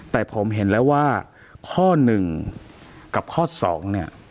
แต่ผมเห็นแล้วว่าข้อหนึ่งกับข้อ๒เนี่ย